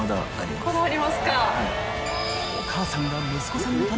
まだありますか。